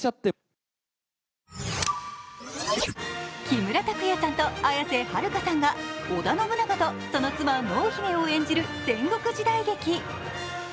木村拓哉さんと綾瀬はるかさんが織田信長とその妻・濃姫を演じる戦国時代劇。